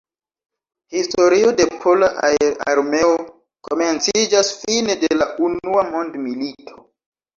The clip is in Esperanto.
Historio de Pola Aer-Armeo komenciĝas fine de la unua mondmilito.